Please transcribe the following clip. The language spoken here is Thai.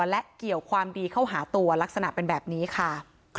และเกี่ยวความดีเข้าหาตัวลักษณะเป็นแบบนี้ค่ะ